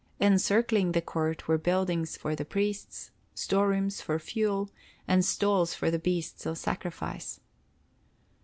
Encircling the court were buildings for the priests, storerooms for fuel, and stalls for the beasts of sacrifice.